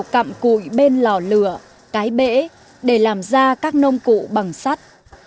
cặm cụi bên lò lửa cái bể để làm ra các nông cụ bằng sắt